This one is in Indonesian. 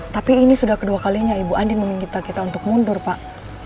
tapi ini sudah kedua kalinya ibu andin meminta kita untuk mundur pak